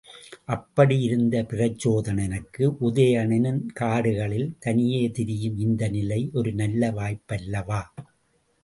அப்படி இருந்த பிரச்சோதனனுக்கு உதயணன் காடுகளில் தனியே திரியும் இந்த நிலை ஒரு நல்ல வாய்ப்பல்லவா?